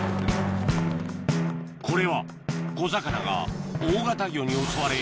これは小魚が大型魚に襲われ